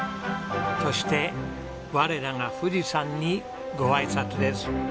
そして我らが富士山にごあいさつです。